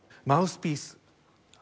マウスピース。